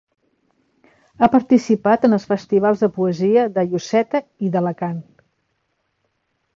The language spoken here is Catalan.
Ha participat en els festivals de poesia de Lloseta i d'Alacant.